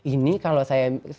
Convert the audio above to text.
ini kalau saya